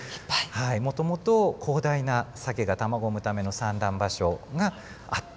もともと広大なサケが卵を産むための産卵場所があった。